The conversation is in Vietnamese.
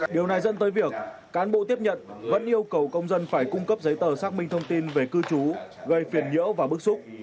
điều này dẫn tới việc cán bộ tiếp nhận vẫn yêu cầu công dân phải cung cấp giấy tờ xác minh thông tin về cư trú gây phiền nhiễu và bức xúc